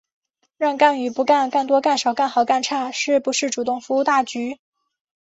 让干与不干、干多干少、干好干差、是不是主动服务大局、